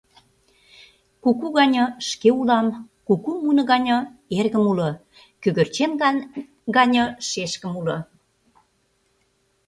Куку гане шке улам, куку муно гане эргым уло, кӧгӧрчен гане шешкым уло...